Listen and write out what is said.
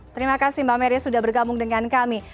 terima kasih mbak mery sudah bergabung dengan kami